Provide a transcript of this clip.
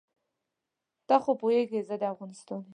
ته خو پوهېږې زه د افغانستان یم.